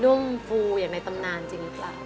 ุ่มฟูอย่างในตำนานจริงหรือเปล่า